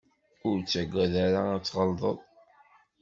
Ur ttagad ara ad tɣelḍeḍ.